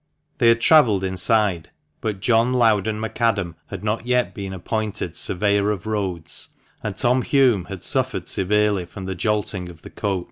They had travelled inside, but John Loudon MacAdam had not yet been appointed "Surveyor of Roads," and Tom Hulme had suffered severely from the jolting of the coach.